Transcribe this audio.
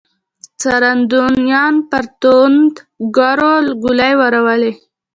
څارندويانو پر توندکارو ګولۍ وورولې.